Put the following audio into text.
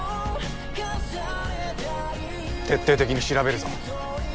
徹底的に調べるぞ。